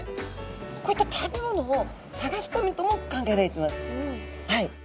こういった食べ物を探すためとも考えられてます。